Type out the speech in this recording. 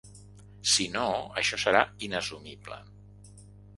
Si no, això serà inassumible!